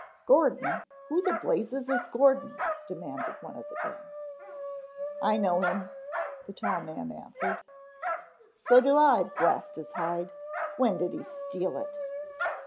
"Gordon, who the blazes is Gordon?" demanded one of the gang. "I know him," the tall man answered. "So do I, blast his hide. When did he steal it?"